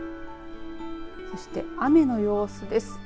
そして雨の様子です。